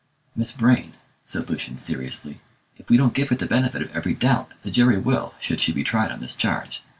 "Miss Vrain," said Lucian seriously, "if we don't give her the benefit of every doubt the jury will, should she be tried on this charge.